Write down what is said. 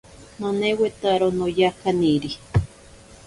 Nonewetaro noya kaniri.